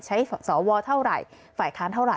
สวเท่าไหร่ฝ่ายค้านเท่าไห